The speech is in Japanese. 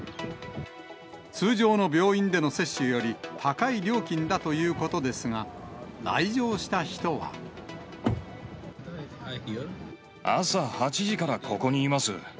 通常の病院での接種より高い料金だということですが、来場した人朝８時からここにいます。